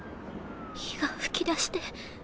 火が噴き出して。